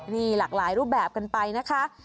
นี่หลากหลายรูปแบบกันไปนะคะ